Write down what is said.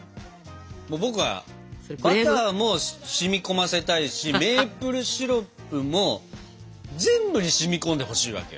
僕はバターも染み込ませたいしメープルシロップも全部に染み込んでほしいわけよ。